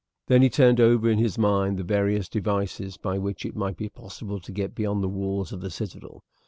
Then he turned over in his mind the various devices by which it might be possible to get beyond the walls of the citadel.